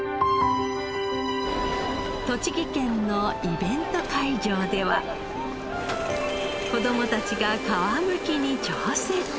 栃木県のイベント会場では子供たちが皮むきに挑戦。